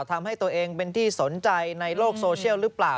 ทำให้ตัวเองเป็นที่สนใจในโลกโซเชียลหรือเปล่า